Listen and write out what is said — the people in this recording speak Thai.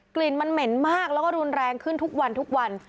กลิ่นมันเหม็นมากแล้วก็รุนแรงขึ้นทุกวันทุกวัน